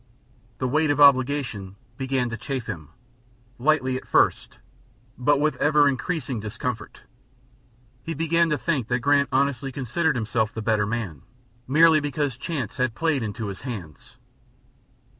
The weight of obligation began to chafe him, lightly at first, but with ever increasing discomfort. He began to think that Grant honestly considered himself the better man, merely because chance had played into his hands.